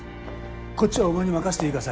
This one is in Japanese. こっちはお前に任せていいか？